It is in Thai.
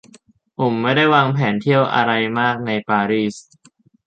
ผมไม่ได้วางแผนเที่ยวอะไรมากในปารีส